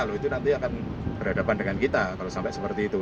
kalau itu nanti akan berhadapan dengan kita kalau sampai seperti itu